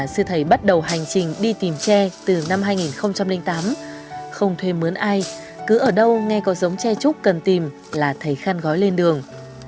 sư thầy bắt đầu hành trình đi tìm tre từ năm hai nghìn tám không thuê mướn ai cứ ở đâu nghe có giống tre trúc cần tìm là thầy khăn gói lên đường